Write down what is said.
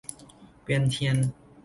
เวียนเทียน